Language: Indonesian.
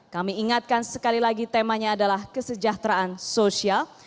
kami ingatkan sekali lagi temanya adalah kesejahteraan sosial